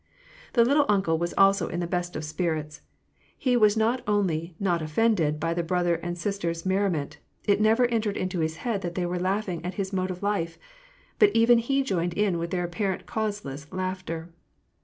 The " little uncle " was also in the best of spirits : he i was not only not offended by the brother's and sister's merri ment— it never entered into his head that they were laugh ing at his mode of life — but he even joined in with their apparently causeless laughter.